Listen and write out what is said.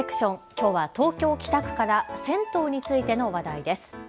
きょうは東京北区から銭湯についての話題です。